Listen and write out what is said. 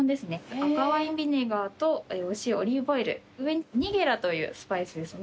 赤ワインビネガーとお塩オリーブオイル上にニゲラというスパイスですね。